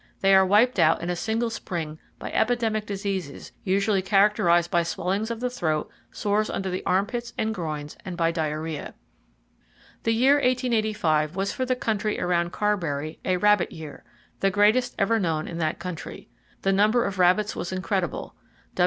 They are wiped out in a single spring by epidemic diseases usually characterized by swellings of the throat, sores under the armpits and groins, and by diarrhea." "The year 1885 was for the country around Carberry 'a rabbit year,' the greatest ever known in that country. The number of rabbits was incredible.